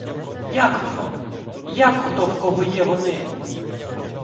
Як воно, як ото в кого є вони?